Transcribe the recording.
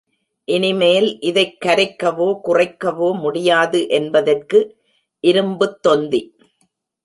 இனிமேல் இதைக் கரைக்கவோ குறைக்கவோ முடியாது என்பதற்கு இரும்புத் தொந்தி!